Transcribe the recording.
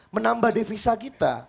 menambah devisa kita